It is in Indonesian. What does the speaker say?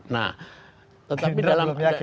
nah tetapi dalam